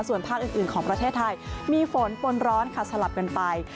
ส่วนภาคอื่นของประเทศไทยมีฝนปนร้อนค่ะสลับกันไป